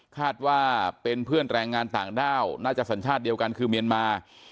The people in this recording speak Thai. คาดว่าเป็นเพื่อนแรงงานต่างด้าวน่าจะสัญชาติเดียวกันคือเมียนมา